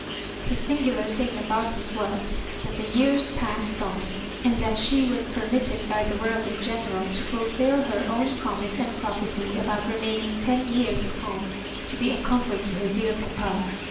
The singular thing about it was, that the years passed on, and that she was permitted by the world in general to fulfil her own promise and prophecy about re maining ten years at home to be a comfort to her dear papa.